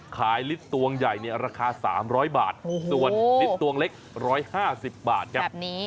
ขายฤทธิ์ตรงใหญ่ราคา๓๐๐บาทส่วนนิษฐ์ตรงเล็ก๑๕๐บาทครับ